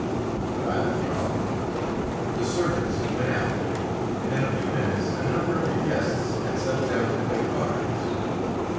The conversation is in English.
But I was wrong. The servants went out, and in a few minutes a number of the guests had settled down to play cards.